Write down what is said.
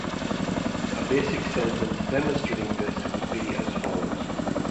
A basic sentence demonstrating this would be as follows.